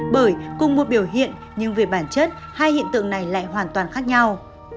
bởi cùng một biểu hiện nhưng về bản chất hai hiện tượng này lại hoàn toàn khác nhau